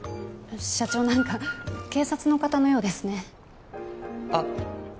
社長何か警察の方のようですねあっ